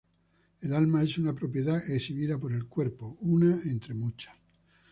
El alma es una propiedad exhibida por el cuerpo, una entre muchas.